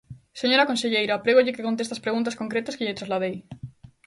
Señora conselleira, prégolle que conteste ás preguntas concretas que lle trasladei.